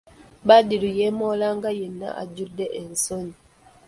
Badru yeemoola nga yenna ajjudde ensonyi.